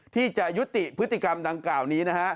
ที่จะยุติพฤติกรรมดังกล่าวนี้นะฮะ